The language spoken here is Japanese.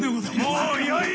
もうよい！